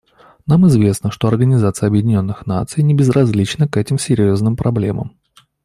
Нам известно, что Организация Объединенных Наций небезразлична к этим серьезным проблемам.